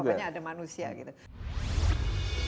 banyaknya ada manusia gitu